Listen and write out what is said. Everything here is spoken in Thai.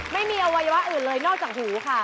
ไม่มีอวัยวะอื่นเลยนอกจากหูค่ะ